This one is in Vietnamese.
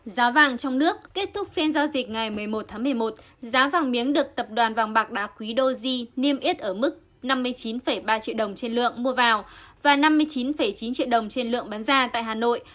giá vàng trong nước kết thúc phiên giao dịch ngày một mươi một tháng một mươi một giá vàng miếng được tập đoàn vàng bạc đá quý doji niêm yết ở mức năm mươi chín ba triệu đồng trên lượng mua vào và năm mươi chín chín triệu đồng trên lượng bán ra tại hà nội